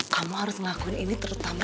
kamu harus ngelakuin ini terutama